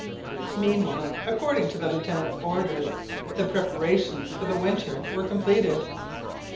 Meanwhile, according to the Lieutenant's orders, the preparations for the winter were completed.